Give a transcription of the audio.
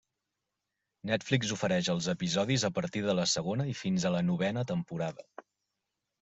Netflix ofereix els episodis a partir de la segona i fins a la novena temporada.